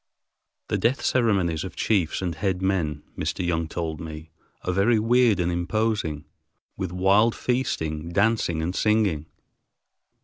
The death ceremonies of chiefs and head men, Mr. Young told me, are very weird and imposing, with wild feasting, dancing, and singing.